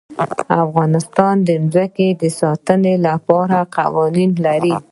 افغانستان د ځمکه د ساتنې لپاره قوانین لري.